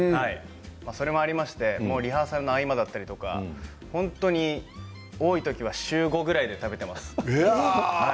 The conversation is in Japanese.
それもありましてリハーサルの合間だったりとか本当に多い時は週５ぐらいで食べています。